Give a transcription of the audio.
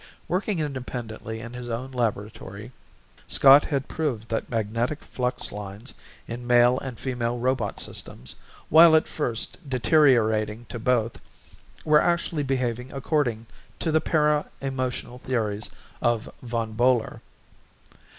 Working independently in his own laboratory Scott had proved that the magnetic flux lines in male and female robot systems, while at first deteriorating to both, were actually behaving according to the para emotional theories of von Bohler.